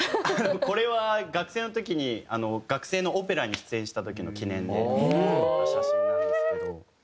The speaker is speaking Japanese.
これは学生の時に学生のオペラに出演した時の記念で撮った写真なんですけど。